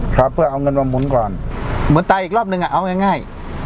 ครับเพื่อเอาเงินมาหมุนก่อนเหมือนตายอีกรอบหนึ่งอ่ะเอาง่าย